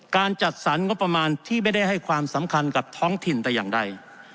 จัดสรรงบประมาณที่ไม่ได้ให้ความสำคัญกับท้องถิ่นแต่อย่างใด